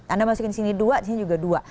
anda masukin di sini dua di sini juga dua